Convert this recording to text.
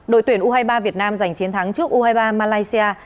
đội tuyển u hai mươi ba việt nam giành chiến thắng trước u hai mươi ba malaysia